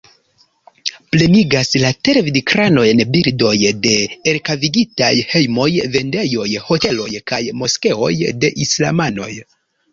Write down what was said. Plenigas la televidekranojn bildoj de elkavigitaj hejmoj, vendejoj, hoteloj kaj moskeoj de islamanoj.